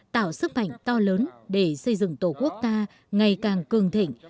tạo sức mạnh to lớn để xây dựng tổ quốc ta ngày càng cường thịnh